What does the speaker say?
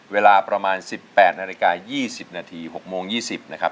เวลาประมาณ๑๘นาฬิกา๒๐นาที๖โมง๒๐นะครับ